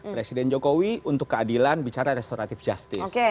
presiden jokowi untuk keadilan bicara restoratif justice